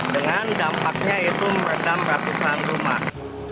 dengan dampaknya itu meredam ratusan rumah